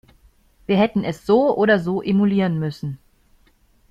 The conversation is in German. Wir hätten es so oder so emulieren müssen.